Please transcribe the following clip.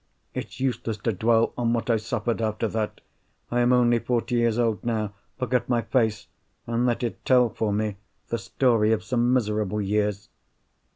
It's useless to dwell on what I suffered after that. I am only forty years old now. Look at my face, and let it tell for me the story of some miserable years.